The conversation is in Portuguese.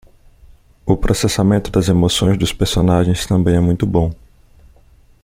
O processamento das emoções dos personagens também é muito bom